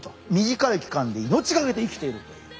短い期間で命がけで生きているという。